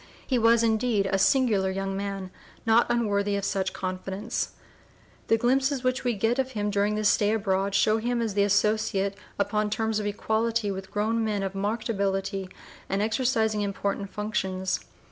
He was indeed a singular young man, not unworthy of such confidence! The glimpses which we get of him during this stay abroad show him as the associate upon terms of equality with grown men of marked ability and exercising important functions.